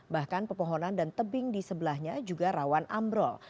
bahkan pepohonan dan tebing di sebelahnya juga rawan ambrol